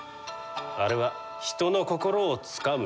あれは人の心をつかむ天才じゃ。